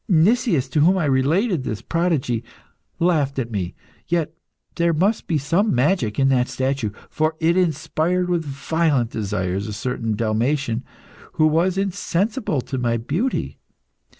Nicias, to whom I related this prodigy, laughed at me; yet there must be some magic in that statue, for it inspired with violent desires a certain Dalmatian, who was insensible to my beauty.